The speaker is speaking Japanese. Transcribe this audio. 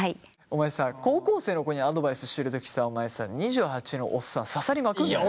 お前さ高校生の子にアドバイスしてるときさお前さ２８のおっさん刺さりまくるなよ。